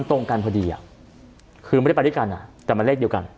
แต่มันเลขเดียวกัน